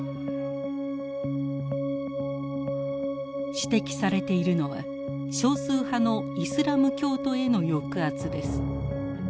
指摘されているのは少数派のイスラム教徒への抑圧です。